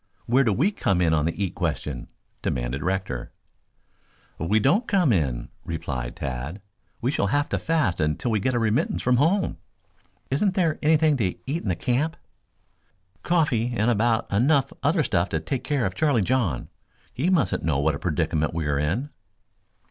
"Where do we come in on the eat question?" demanded Rector. "We don't come in," replied Tad. "We shall have to fast until we get a remittance from home." "Isn't there anything to eat in the camp?" "Coffee and about enough other stuff to take care of Charlie John. He mustn't know what a predicament we are in."